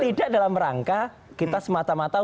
tidak dalam rangka kita semata mata